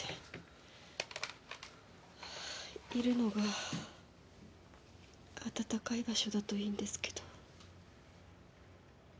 いるのが温かい場所だといいんですけど。